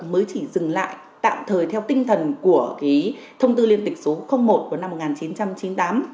mới chỉ dừng lại tạm thời theo tinh thần của thông tư liên tịch số một của năm một nghìn chín trăm chín mươi tám